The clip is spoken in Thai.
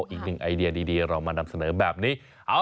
อีกหนึ่งไอเดียดีเรามานำเสนอแบบนี้